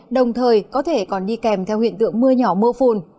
đồng thời có thể còn đi kèm theo hiện tượng mưa nhỏ mưa phùn